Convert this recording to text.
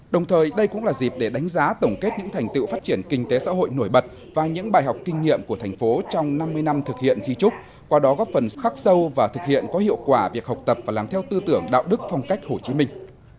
đồng thời đây cũng là dịp để đánh giá tổng kết những thành tựu phát triển kinh tế xã hội nổi bật và những bài học kinh nghiệm của thành phố trong năm mươi năm thực hiện di trúc qua đó góp phần khắc sâu và thực hiện có hiệu quả việc học tập và làm theo tư tưởng đạo đức phong cách hồ chí minh